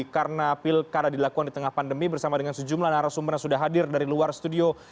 karena pilkada dilakukan di tengah pandemi bersama dengan sejumlah narasumber yang sudah hadir dari luar studio